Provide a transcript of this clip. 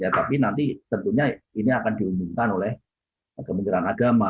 tapi nanti tentunya ini akan diumumkan oleh kementerian agama